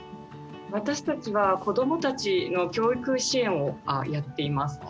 私たちは子どもたちの教育支援をやっています。